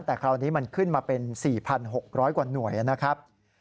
แต่คราวนี้มันขึ้นมาเป็น๔๖๐๐กว่าหน่วยนะครับ